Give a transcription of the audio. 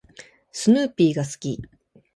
スヌーピーが好き。